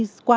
cần đứng ra